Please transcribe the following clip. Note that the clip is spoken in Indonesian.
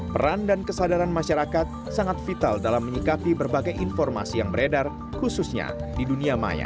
peran dan kesadaran masyarakat sangat vital dalam menyikapi berbagai informasi yang beredar khususnya di dunia maya